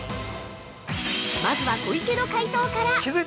まずは、小池の解答から！